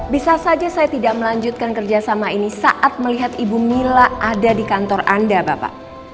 bisa saja saya tidak melanjutkan kerjasama ini saat melihat ibu mila ada di kantor anda bapak